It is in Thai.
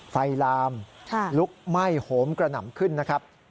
ไฟลามลุกไหม้โหมกระหน่ำขึ้นนะครับครับนะครับ